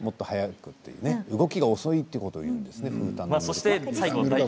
動きが遅いということを言うんですね。